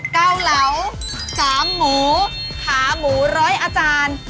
เกาเหลา๓หมูขาหมูร้อยอาจารย์